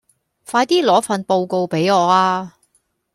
快啲攞份報告畀我吖